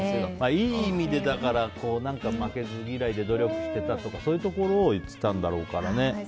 いい意味で、負けず嫌いで努力してたとかそういうところを言ってたんだろうからね